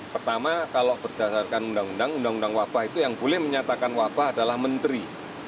pertama kalau berdasarkan undang undang undang undang wabah itu yang boleh menyatakan wabah adalah menteri